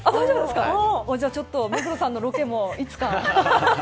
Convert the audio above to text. じゃちょっと目黒さんのロケもいつか。